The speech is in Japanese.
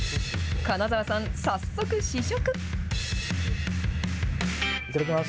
金澤さん、早速試食。